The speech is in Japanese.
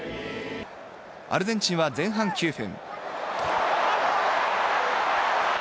アルゼンチンは前半９分。